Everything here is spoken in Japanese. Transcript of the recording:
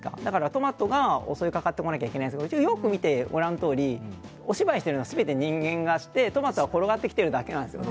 トマトが襲いかかってこないといけないんですけどよく見て、ご覧のとおりお芝居しているのは全て人間がして、トマトは転がってきているだけなんです。